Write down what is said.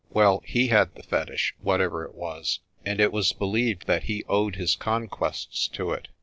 Well, he had the fetich, whatever it was, and it was believed that he owed his conquests to it.